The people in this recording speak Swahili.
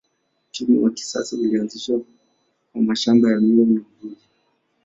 Uchumi wa kisasa ulianzishwa kwa mashamba ya miwa na uvuvi.